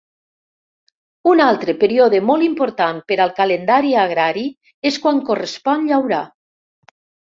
Un altre període molt important per al calendari agrari és quan correspon llaurar.